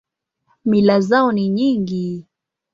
Mila zao ni nyingi.